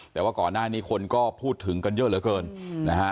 แต่ว่าก่อนหน้านี้คนก็พูดถึงกันเยอะเหลือเกินนะฮะ